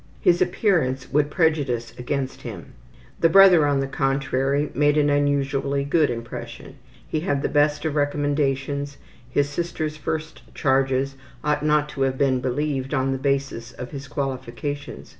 His appearance would prejudice against him. The brother, on the contrary, made an unusually good impression. He had the best of recommendations. His sister's first charges ought not to have been believed on the basis of his qualifications.